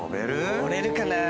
乗れるかな？かぁ。